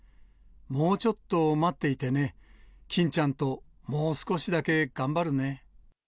もうちょっと待っていてね、キンちゃんともう少しだけ頑張るね。